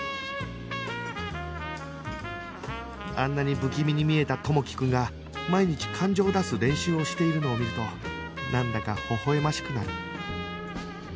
あんなに不気味に見えた知樹くんが毎日感情を出す練習をしているのを見るとなんだかほほ笑ましくなる